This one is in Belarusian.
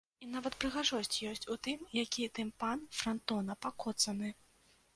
І нават прыгажосць ёсць у тым, які тымпан франтона пакоцаны!